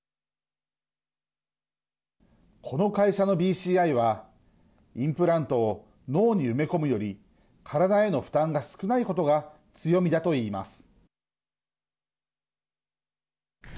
この会社のＢＣＩはインプラントを脳に埋め込むより体への負担が少ないことが強みだといいます。